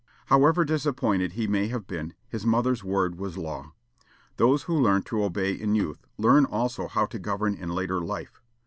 However disappointed he may have been, his mother's word was law. Those who learn to obey in youth learn also how to govern in later life.